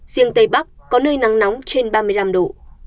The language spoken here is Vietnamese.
riêng tây bắc có nơi nắng nóng trên ba mươi năm độ